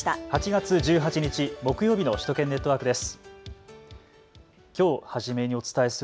８月１８日、木曜日の首都圏ネットワークです。